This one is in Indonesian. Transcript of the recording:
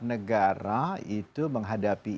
negara itu menghadapi